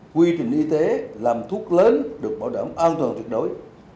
quy trình y tế làm thuốc lớn được bảo đảm an toàn tuyệt đối